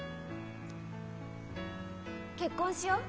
結婚しよう。